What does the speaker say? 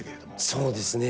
そうですね。